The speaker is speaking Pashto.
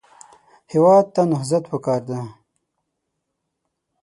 هېواد ته نهضت پکار دی